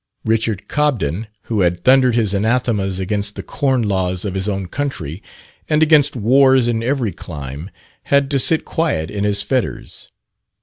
Richard Cobden, who had thundered his anathemas against the Corn Laws of his own country, and against wars in every clime, had to sit quiet in his fetters.